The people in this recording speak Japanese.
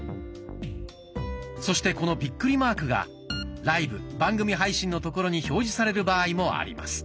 そしてこのビックリマークが「ライブ・番組配信」の所に表示される場合もあります。